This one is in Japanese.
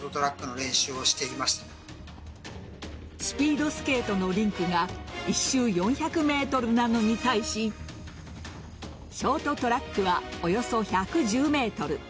スピードスケートのリンクが１周４００ｍなのに対しショートトラックはおよそ１１０ｍ。